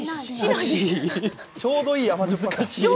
ちょうどいい甘じょっぱさ。